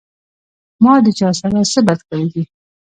ما د چا سره څۀ بد کړي دي